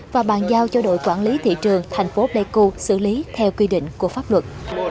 và bàn giao cho đội quản lý thị trường thành phố pleiku xử lý theo quy định của pháp luật